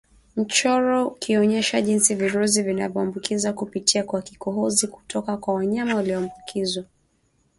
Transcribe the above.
Mchoro Ukionyesha jinsi virusi vinavyoambukizwa kupitia kwa kikohozi kutoka kwa wanyama walioambukizwa